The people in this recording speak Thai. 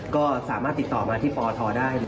ก็สามารถติดต่อมาที่ปทได้เลย